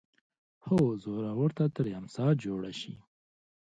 هو زورور ته ترې امسا جوړه شي